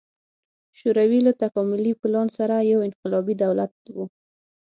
شوروي له تکاملي پلان سره یو انقلابي دولت و.